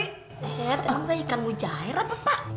eh emang saya ikan muja air apa pak